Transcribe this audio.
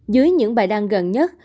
dưới những bài đăng gần nhất